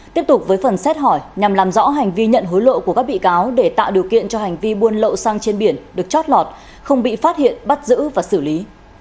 tiếp tục với phần xét hỏi nhằm làm rõ hành vi nhận hối lộ của các bị cáo để tạo điều kiện cho hành vi buôn lậu xăng trên biển được chót lọt không bị phát hiện bắt giữ và xử lý